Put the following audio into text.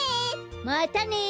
またね！